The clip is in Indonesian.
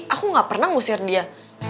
aku gak pernah ngusir dia